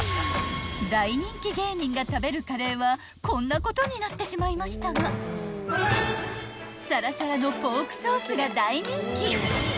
［大人気芸人が食べるカレーはこんなことになってしまいましたがさらさらのポークソースが大人気］